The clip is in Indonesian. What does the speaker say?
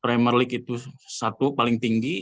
primer league itu satu paling tinggi